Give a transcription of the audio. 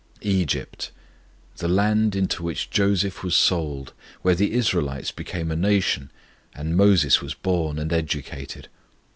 Egypt the land into which Joseph was sold, where the Israelites became a nation, and Moses was born and educated!